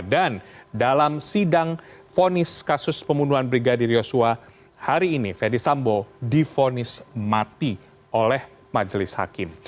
dan dalam sidang fonis kasus pembunuhan brigadir yosua hari ini verdi sambo difonis mati oleh majelis hakim